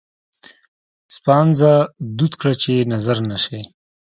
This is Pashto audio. سپانځه دود کړه چې نظره نه شي.